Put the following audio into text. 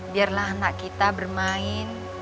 biarlah anak kita bermain